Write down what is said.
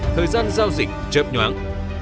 thời gian giao dịch chớp nhoáng